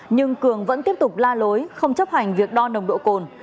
nhưng cường vẫn tiếp tục la lối không chấp hành việc đo nồng độ cồn